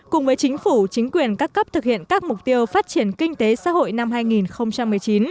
cùng với chính phủ chính quyền các cấp thực hiện các mục tiêu phát triển kinh tế xã hội năm hai nghìn một mươi chín